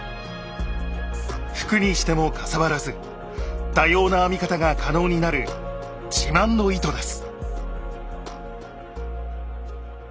服にしてもかさばらず多様な編み方が可能になる自慢の糸です。